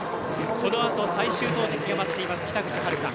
このあと最終投てきが待っている北口榛花。